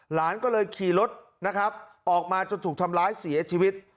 หลานก็เลยขี่รถนะครับออกมาจนถูกทำร้ายเสียชีวิต